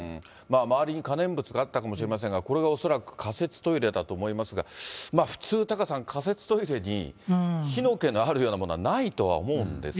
周りに可燃物があったかもしれませんが、これが恐らく仮設トイレだと思いますが、普通、タカさん、仮設トイレに火の気のあるようなものはないとは思うんですが。